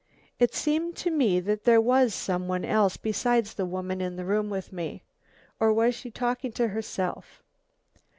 It seemed to me that there was some one else besides the woman in the room with me. Or was she talking to herself?